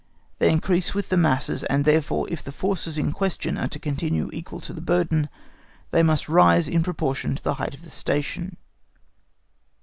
They increase with the masses, and therefore, if the forces in question are to continue equal to the burden, they must rise in proportion to the height of the station.